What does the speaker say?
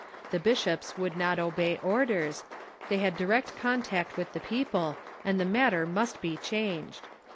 The bishops would not obey orders. They had direct contact with the people, and the matter must be changed.